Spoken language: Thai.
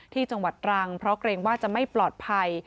จังหวัดตรังเพราะเกรงว่าจะไม่ปลอดภัย